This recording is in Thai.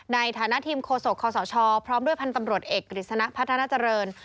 ในฐานะทีมโฆษกคศพร้อมด้วยพันธ์ตำรวจเอกกฤษณะพัฒนาเจริญ